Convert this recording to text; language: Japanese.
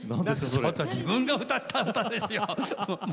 ちょっと自分が歌った歌ですよ！